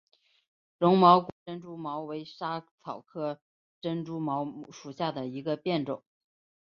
柔毛果珍珠茅为莎草科珍珠茅属下的一个变种。